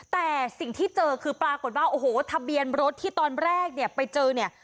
แต่สิ่งที่เจอคือปรากฏว่าโอ้โหทะเบียนรถที่ตอนแรกเนี่ยไปเจอเนี่ย